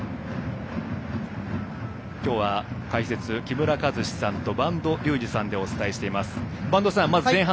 今日は解説は木村和司さんと播戸竜二さんでお伝えしています。